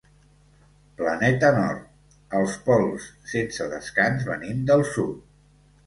Planeta nord: el pols sense descans venim del sud.